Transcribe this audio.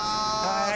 はい。